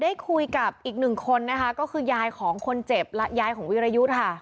ได้คุยกับอีกหนึ่งคนนะคะก็คือยายของคนเจ็บและยายของวิรยุทธ์ค่ะ